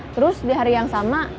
terus di hari yang sama